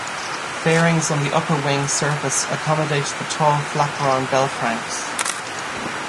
Fairings on the upper wing surface accommodate the tall flaperon bellcranks.